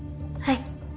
はい。